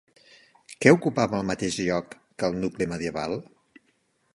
Què ocupava el mateix lloc que el nucli medieval?